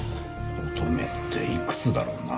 「乙女」っていくつだろうな？